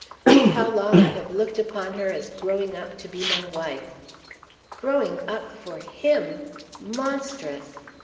'think how long I have looked upon her as growing up to be my wife' (growing up for him monstrous!)